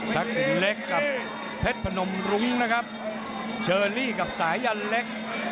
ทักษิณเล็กกับเพชรพนมรุ้งนะครับเชอรี่กับสายันเล็ก